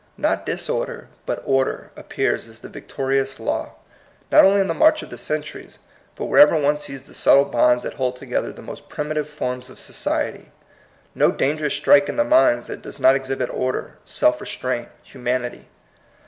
Not disorder, but order, appears as the victorious law, not only in the march of the centuries, but wherever one sees the subtle bonds that hold together the most primitive forms of society. No dangerous strike in the mines that does not exhibit order, self restraint, humanity.